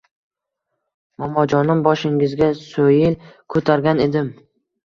Momojonim boshingizga so‘yil ko‘targan edim.